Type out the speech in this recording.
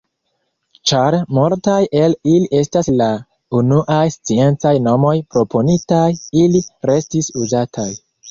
Ĉar multaj el ili estis la unuaj sciencaj nomoj proponitaj ili restis uzataj.